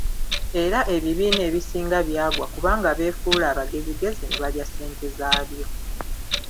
Era ebibiina ebisinga byagwa kubanga beefuula abagezigezi ne balya ssente zaabyo.